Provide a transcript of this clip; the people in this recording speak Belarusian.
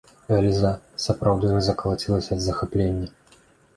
Эльза сапраўды аж закалацілася ад захаплення.